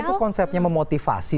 kalau itu konsepnya memotivasi